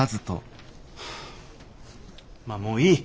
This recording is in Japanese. まあもういい。